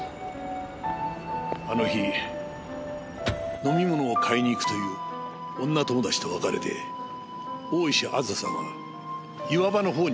あの日飲み物を買いに行くという女友達と別れて大石あずささんは岩場の方に向かった。